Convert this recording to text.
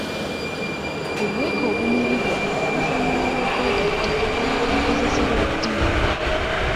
Obuweke obumiribwa oluvannyuma lw'okwegatta bukozesebwa ddi?